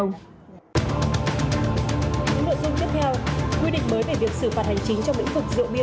những nội dung tiếp theo quy định mới về việc xử phạt hành chính trong lĩnh vực rượu bia